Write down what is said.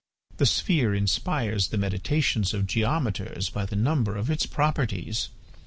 The sphere inspires the meditations of geometers by the number of its properties.